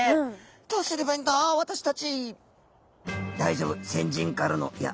「どうすればいいんだ？私たち」。